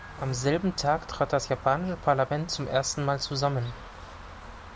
Am selben Tag trat das japanische Parlament zum ersten Mal zusammen.